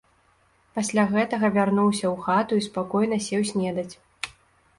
Пасля гэтага вярнуўся ў хату і спакойна сеў снедаць.